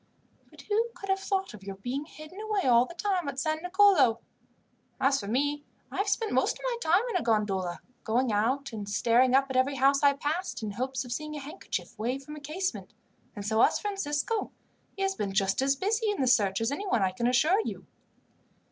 But who could have thought of your being hidden away all the time at San Nicolo! As for me, I have spent most of my time in a gondola, going out and staring up at every house I passed, in hopes of seeing a handkerchief waved from a casement. And so has Francisco; he has been just as busy in the search as anyone, I can assure you."